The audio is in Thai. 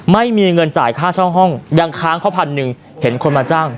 ไม่มีเงินจ่ายค่าเช่าห้องยังค้างเขาพันหนึ่งเห็นคนมาจ้าง